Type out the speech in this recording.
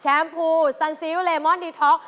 แชมพูสันซีอิ๊วเลมอนดีท็อค